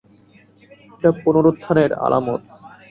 এটা পুনরুত্থানের আলামত!